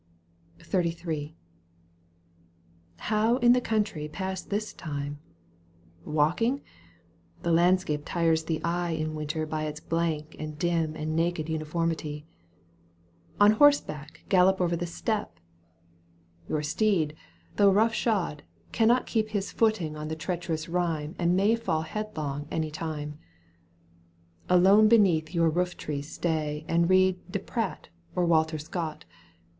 XXXIII. How in the country pass this time ? Walking ? The landscape tires the eye In winter by its blank and dim And naked imiformity. On horseback gallop o'er the steppe ! Digitized by VjOOQ 1С CANTO IV. EUGENE ON^QUINE. 119 Your steed, though rough shod, cannot keep His footing on the treacherous rime And may fall headlong any time. Alone beneath your rooftree stay And read De Pradt or Walter Scott